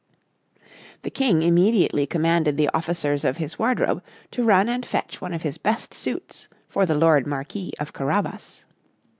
The King immediately commanded the officers of his wardrobe to run and fetch one of his best suits for the lord Marquis of Carabas.